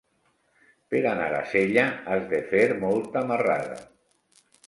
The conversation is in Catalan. Per anar a Sella has de fer molta marrada.